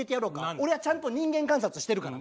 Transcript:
俺はちゃんと人間観察してるからね。